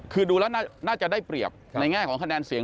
คือดูแล้วน่าจะได้เปรียบในแง่ของคะแนนเสียง